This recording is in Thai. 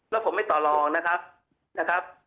แล้วผมไม่ต่อรองนะครับ